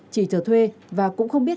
chỉ trở thuê và cũng không biết